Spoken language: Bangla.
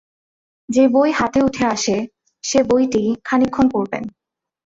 যে-বই হাতে উঠে আসে, সে বইটিই খানিকক্ষণ পড়বেন।